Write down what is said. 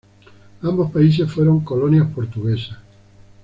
Ambos países fueron colonias portuguesas.